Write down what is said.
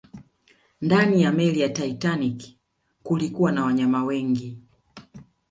Ndani ya meli ya Titanic kulikuwa na wanyama wengi